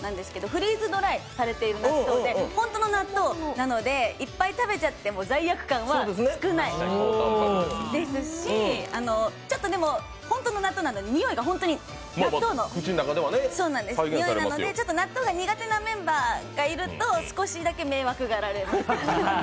フリーズドライされてる納豆で本当の納豆なので、いっぱい食べちゃっても罪悪感は少ないですし、でも、本当の納豆なので、においが本当に納豆のにおいなので、ちょっと納豆が苦手なメンバーがいると、少しだけ迷惑がられます。